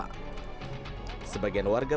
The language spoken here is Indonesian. sebagian warga bahkan tidak tahu apa yang terjadi